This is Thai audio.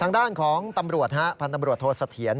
ทางด้านของตำรวจฮะพันธ์ตำรวจโทษเสถียร